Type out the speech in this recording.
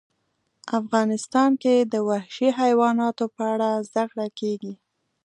افغانستان کې د وحشي حیواناتو په اړه زده کړه کېږي.